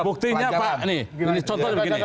buktinya pak ini contoh begini